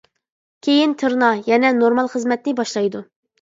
كېيىن «تىرنا» يەنە نورمال خىزمەتنى باشلايدۇ.